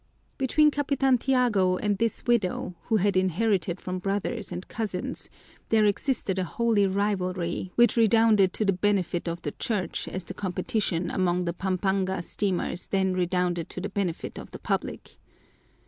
Between Capitan Tiago and this widow, who had inherited from brothers and cousins, there existed a holy rivalry which redounded to the benefit of the Church as the competition among the Pampanga steamers then redounded to the benefit of the public.